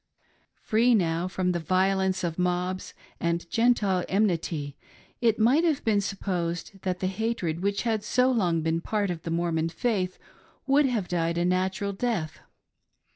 Free now from the violence of mobs and Gentile enmity, it might have been supposed that the hatred which had so long been part of the Mormon faith would have died a natur^ death.